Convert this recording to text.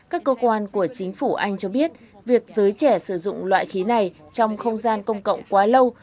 các cơ quan của chính phủ anh cho biết việc giới trẻ sử dụng loại khí này trong không gian công cộng quá lâu